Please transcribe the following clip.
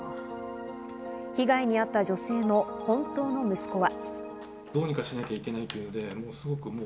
被害に遭った女性の本当の息子は。